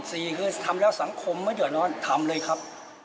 สี่คือทำแล้วสังคมไม่เดือดร้อนทำเลยครับ